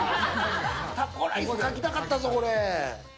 タコライス、書きたかったぞ、これ。